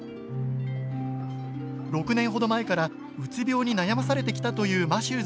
６年ほど前からうつ病に悩まされてきたというマシューズさん。